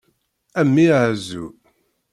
A mmi ɛezzu!